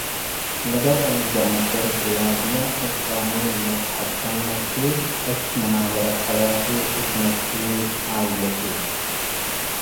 ለገብአ ልግበእ ነፈር ዝያድለ እብ ቃኑን ለትሐከመ እቱ እት መናበረ ሐያቱ፡ እት ነፍሱ፡ ዓኢለቱ፡